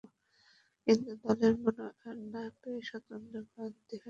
কিন্তু দলের মনোনয়ন না পেয়ে স্বতন্ত্র প্রার্থী হয়ে নির্বাচন করলে আওয়ামী লীগ থেকে তাকে বহিস্কার করে।